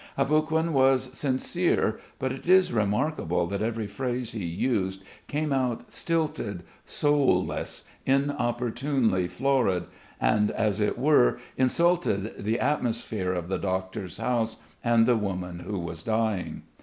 Aboguin was sincere, but it is remarkable that every phrase he used came out stilted, soulless, inopportunely florid, and as it were insulted the atmosphere of the doctor's house and the woman who was dying.